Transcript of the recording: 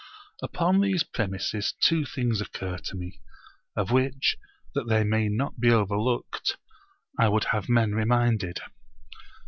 Upon these premises two things occur to me of which, that they may not be overlooked, I would have men reminded.